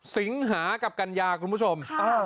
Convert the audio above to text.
สิงหากับกัญญาคุณผู้ชม